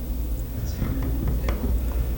Ad tḥemmlem urar-a.